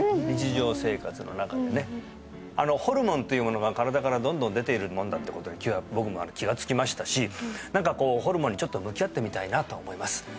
日常生活の中でねホルモンというものが身体からどんどん出ているもんだってことに今日は僕も気がつきましたし何かこうホルモンにちょっと向き合ってみたいなと思います